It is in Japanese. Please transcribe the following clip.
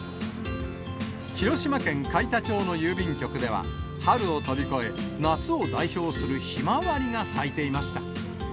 広島県海田町の郵便局では、春を飛び越え、夏を代表するひまわりが咲いていました。